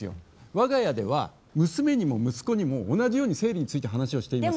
我が家では、娘にも息子にも同じように生理について話をしています。